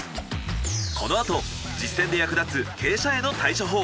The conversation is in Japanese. この後実戦で役立つ傾斜への対処法。